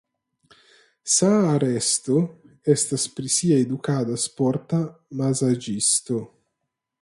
Saaresto estas pri sia edukado sporta mazaĝisto.